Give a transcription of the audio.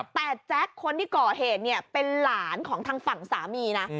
แต่แจ๊คคนที่ก่อเหตุเนี่ยเป็นหลานของทางฝั่งสามีนะ